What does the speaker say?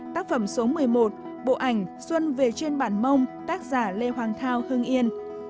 tác phẩm số một mươi một bộ ảnh xuân về trên bản mông tác giả lê hoàng thao hưng yên